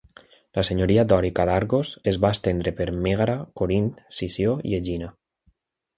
La senyoria dòrica d'Argos es va estendre per Mègara, Corint, Sició i Egina.